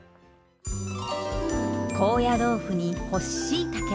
高野豆腐に干ししいたけ